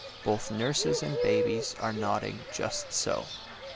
Both nurses and babies are nodding— just so.